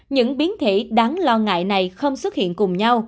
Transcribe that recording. những biến thể đáng lo ngại này không xuất hiện